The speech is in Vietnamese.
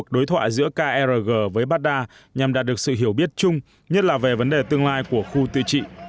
đối thoại giữa krg với baghdad nhằm đạt được sự hiểu biết chung nhất là về vấn đề tương lai của khu tự trị